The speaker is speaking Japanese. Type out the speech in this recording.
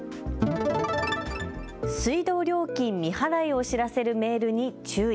水道料金未払いを知らせるメールに注意。